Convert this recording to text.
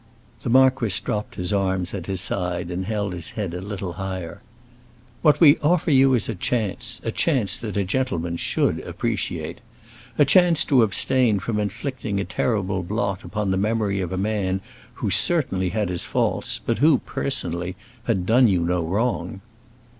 The marquis dropped his arms at his side and held his head a little higher. "What we offer you is a chance—a chance that a gentleman should appreciate. A chance to abstain from inflicting a terrible blot upon the memory of a man who certainly had his faults, but who, personally, had done you no wrong."